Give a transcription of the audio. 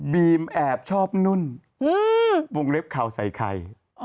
แอบชอบนุ่นวงเล็บข่าวใส่ไข่